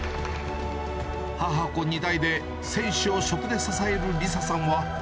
母子２代で選手を食で支えるリサさんは。